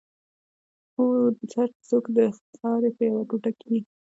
هر څوک د خاورې یو ټوټه کېږي.